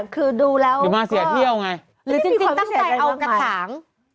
คือดูแล้วหรือมาเสียเที่ยวไงหรือจริงตั้งใจเอากระถาง